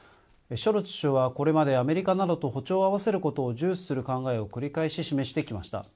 ショルツ首相はこれまでアメリカなどと歩調を合わせることを重視する考えを繰り返し示してきました。